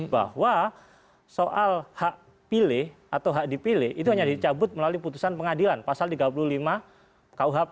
bahwa soal hak pilih atau hak dipilih itu hanya dicabut melalui putusan pengadilan pasal tiga puluh lima kuhp